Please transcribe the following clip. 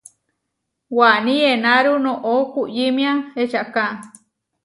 Waní enáru noʼó kuyímia ečaká.